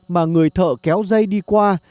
mà người thợ kéo dây đi qua